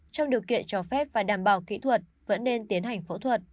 trong điều kiện cho phép và đảm bảo kỹ thuật vẫn nên tiến hành phẫu thuật